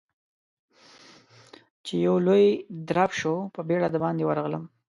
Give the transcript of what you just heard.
چې يو لوی درب شو، په بيړه د باندې ورغلم.